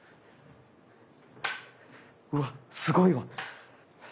うわっすごいわ。